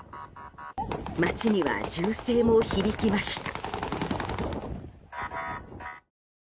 街には、銃声も響きました。